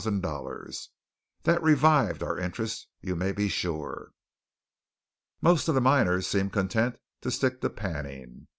That revived our interest, you may be sure. Most of the miners seemed content to stick to panning.